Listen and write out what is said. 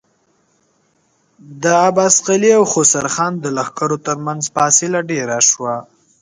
د عباس قلي او خسرو خان د لښکرو تر مينځ فاصله ډېره شوه.